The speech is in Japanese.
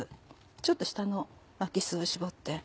ちょっと下の巻きすを絞って。